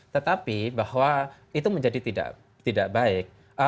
tetapi bahwa itu menjadi tidak baik